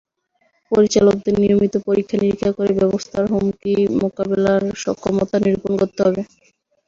পরিচালকদের নিয়মিত পরীক্ষা-নিরীক্ষা করে ব্যবস্থার হুমকি মোকাবিলার সক্ষমতা নিরূপণ করতে হবে।